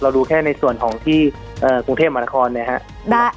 เรารู้แค่ในส่วนของที่กรุงเทพมนาคอลนะครับ